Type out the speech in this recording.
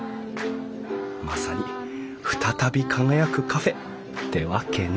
まさに「ふたたび輝くカフェ」ってわけね！